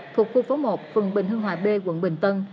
thuộc khu phố một phường bình hưng hòa b quận bình tân